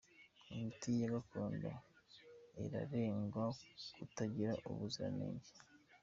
Imiti ya Gakondo iranengwa kutagira ubuziranenge